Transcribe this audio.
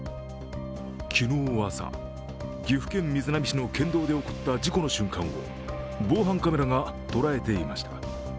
昨日朝、岐阜県瑞浪市の県道で起こった事故の瞬間を防犯カメラが捉えていました。